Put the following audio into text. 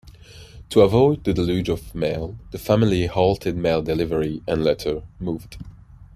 To avoid the deluge of mail, the family halted mail delivery and later moved.